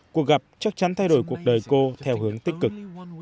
cuộc gặp chắc chắn thay đổi cuộc đời cô theo hướng tích cực